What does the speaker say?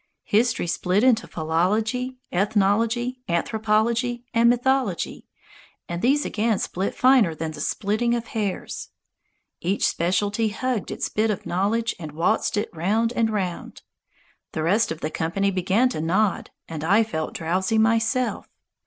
History split into philology, ethnology, anthropology, and mythology, and these again split finer than the splitting of hairs. Each speciality hugged its bit of knowledge and waltzed it round and round. The rest of the company began to nod, and I felt drowsy myself.